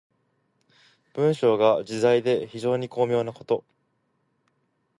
文章が自在で非常に巧妙なこと。